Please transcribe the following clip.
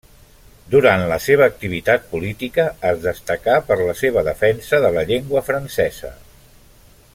Durant la seva activitat política es destacà per la seva defensa de la llengua francesa.